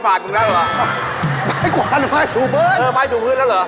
มาดูแลเหรอ